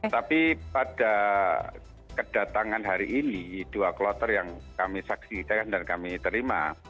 tapi pada kedatangan hari ini dua kloter yang kami saksikan dan kami terima